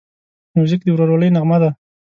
موزیک د ورورولۍ نغمه ده.